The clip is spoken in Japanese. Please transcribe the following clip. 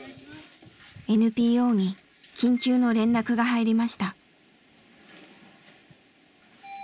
ＮＰＯに緊急の連絡が入りました。